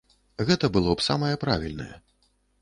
Гэта было б самае правільнае.